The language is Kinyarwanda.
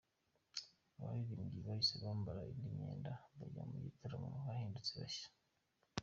Abaririmbyi bahise bambara indi myenda bajya mu gitaramo bahindutse bashya.